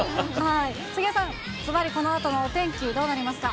杉江さん、ずばり、このあとのお天気、どうなりますか。